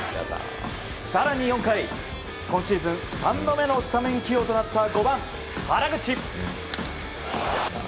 更に４回今シーズン３度目のスタメン起用となった５番、原口。